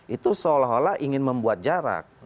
itu seolah olah ingin membuat jarak